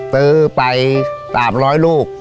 ตื้อไปตามร้อยลูก